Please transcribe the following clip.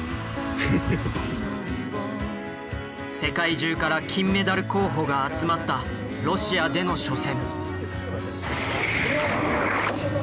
世界中から金メダル候補が集まったロシアでの初戦。